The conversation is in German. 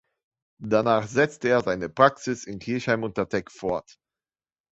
Danach setzte er seine Praxis in Kirchheim unter Teck fort.